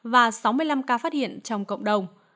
và sáu mươi năm ca phát hiện trong cộng đồng